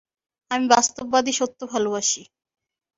আমি বাস্তববাদী-সত্য ভালোবাসি।